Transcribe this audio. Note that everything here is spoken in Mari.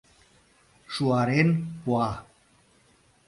— Шуарен пуа.